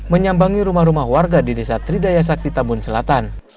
menyambangi rumah rumah warga di desa tridayasakti tabun selatan